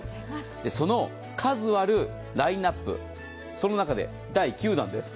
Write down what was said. その数あるラインナップ、その中で第９弾です。